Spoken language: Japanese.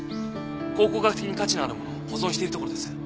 考古学的に価値のあるものを保存しているところです。